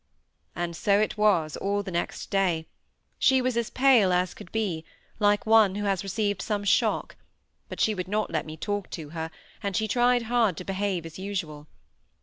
And so it was all the next day. She was as pale as could be, like one who has received some shock; but she would not let me talk to her, and she tried hard to behave as usual.